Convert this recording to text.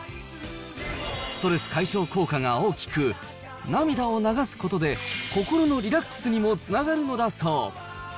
ストレス解消効果が大きく、涙を流すことで心のリラックスにもつながるのだそう。